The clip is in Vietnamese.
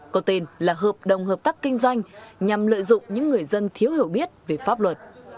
có tên là hợp đồng hợp tác kinh doanh nhằm lợi dụng những người dân thiếu hiểu biết về pháp luật